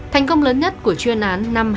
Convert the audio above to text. thành công lớn nhất của chuyên án